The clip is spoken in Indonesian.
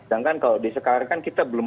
dan kan kalau di sekarang kan kita belum